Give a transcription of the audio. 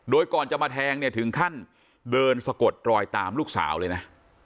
โดยก่อนจะมาแทงเนี่ยถึงขั้นเดินสะกดรอยตามลูกสาวเลยนะ